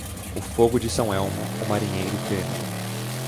O fogo de São Elmo, o marinheiro teme.